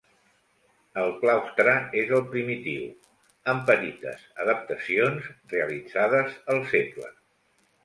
El claustre és el primitiu, amb petites adaptacions realitzades al segle.